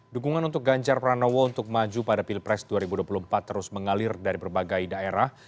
dukungan untuk ganjar pranowo untuk maju pada pilpres dua ribu dua puluh empat terus mengalir dari berbagai daerah